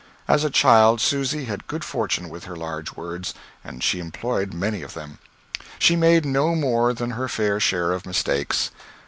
As a child, Susy had good fortune with her large words, and she employed many of them. She made no more than her fair share of mistakes.